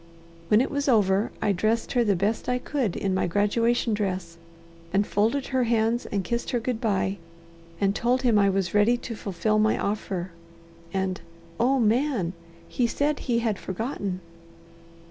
When it was over I dressed her the best I could in my graduation dress, and folded her hands, and kissed her good bye, and told him I was ready to fulfill my offer; and oh Man! He said he had forgotten!"